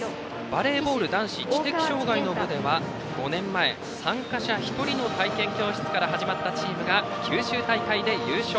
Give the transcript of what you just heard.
バレーボール男子知的障害の部では５年前、参加者１人の体験教室から始まったチームが九州大会で優勝。